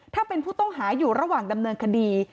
ถ้าเป็นผู้ต้องหาอยู่ระหว่างดำเนินคดี